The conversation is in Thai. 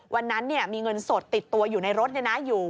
วันนั้นเนี่ยมีเงินสดติดตัวอยู่ในรถเนี่ยนะอยู่